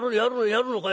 「やる」。